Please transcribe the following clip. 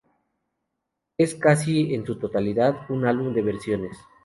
Es casi en su totalidad, un álbum de versiones.